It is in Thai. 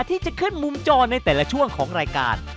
ที่จะขึ้นมุมจอในแต่ละช่วงของรายการ